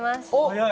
早い。